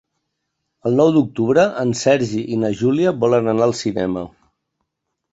El nou d'octubre en Sergi i na Júlia volen anar al cinema.